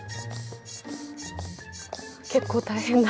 結構大変だ。